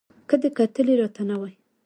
که دې کتلي را ته نه وای